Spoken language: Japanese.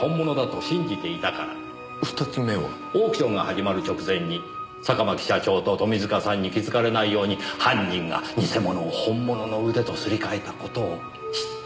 オークションが始まる直前に坂巻社長と富塚さんに気づかれないように犯人が偽物を本物の腕とすり替えた事を知っていたから。